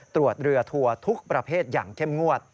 ตรวจเรือทัวร์ทุกประเภทอย่างเข้มงวด